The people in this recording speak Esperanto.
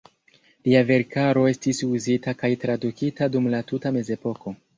Lia verkaro estis uzita kaj tradukita dum la tuta Mezepoko.